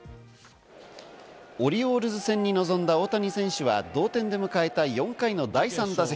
オリオールズ戦に臨んだ大谷選手は同点で迎えた４回の第３打席。